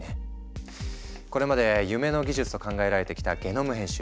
これまで夢の技術と考えられてきたゲノム編集。